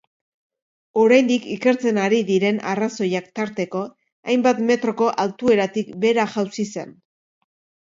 Oraindik ikertzen ari diren arrazoiak tarteko, hainbat metroko altueratik behera jausi zen.